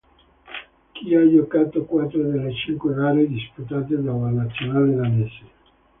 Qui ha giocato quattro delle cinque gare disputate dalla Nazionale danese.